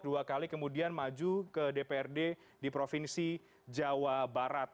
dua kali kemudian maju ke dprd di provinsi jawa barat